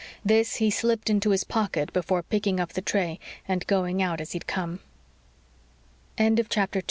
This, he slipped into his pocket before picking up the tray and going out as he'd come. 3 Frank Corson got